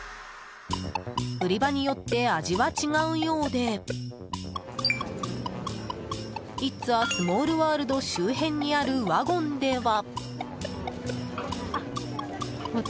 売り場によって味は違うようでイッツ・ア・スモールワールド周辺にあるワゴンでは。